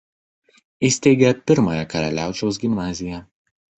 Įsteigė pirmąją Karaliaučiaus gimnaziją.